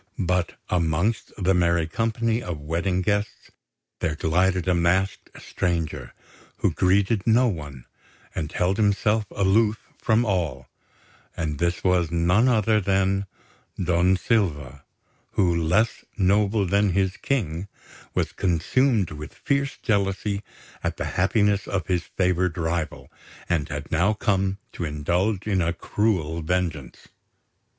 But amongst the merry company of wedding guests there glided a masked stranger, who greeted no one, and held himself aloof from all; and this was none other than Don Silva, who, less noble than his King, was consumed with fierce jealousy at the happiness of his favoured rival, and had now come to indulge in a cruel vengeance.